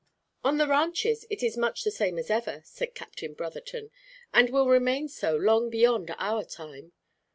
"On the ranches it is much the same as ever," said Captain Brotherton, "and will remain so long beyond our time.